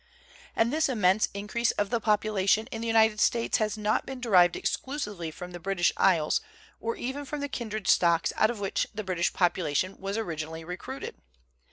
And this immense increase of population in the United States has not been derived exclusively from the British Isles or even from the kindred stocks out of which the British population was originally re cruited.